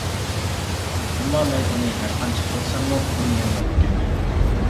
ئەمما مەن ئۇنى ھەرقانچە قىلساممۇ ئوينىيالمايدىكەنمەن.